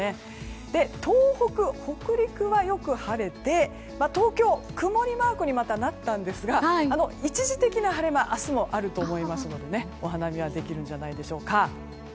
東北や北陸はよく晴れて東京は曇りマークにまたなったんですが一時的な晴れは明日もあると思いますのでお花見はできるんじゃないでしょうか。